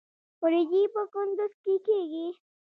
وریجې په کندز کې کیږي